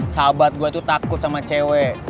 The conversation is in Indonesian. sahabat gue tuh takut sama cewek